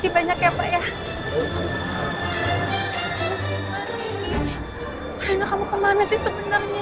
anak kamu kemana sih sebenarnya